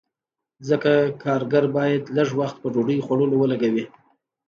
ځکه کارګر باید لږ وخت په ډوډۍ خوړلو ولګوي